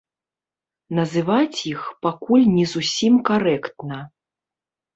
Называць іх пакуль не зусім карэктна.